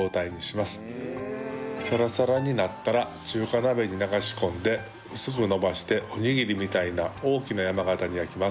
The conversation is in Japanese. サラサラになったら中華鍋に流し込んで薄く延ばしておにぎりみたいな大きな山形に焼きます。